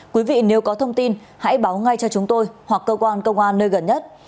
quý vị nếu có thông tin hãy báo ngay cho chúng tôi hoặc cơ quan công an nơi gần nhất